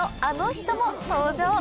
「あの人も登場！」